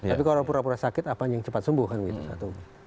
tapi kalau pura pura sakit apa yang cepat sembuh kan begitu satu